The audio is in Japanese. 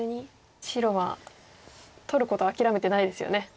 白は取ること諦めてないですよね。